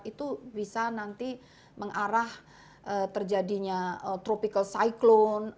itu bisa nanti mengarah terjadinya tropical cyclone